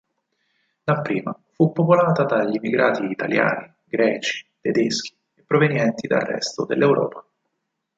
Dapprima fu popolata dagli immigrati italiani, greci, tedeschi e provenienti dal resto dell'Europa.